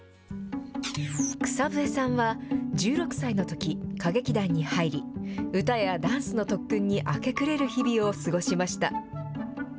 草笛さんは１６歳のとき、歌劇団に入り、歌やダンスの特訓に明け暮れる日々を過ごしました。